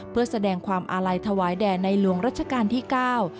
เพื่อแสดงความอาลัยถวายแดจะในระจการที่เก้า